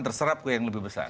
terserap ke yang lebih besar